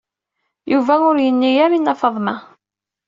Yuba ur yenni ara i Nna Faḍma.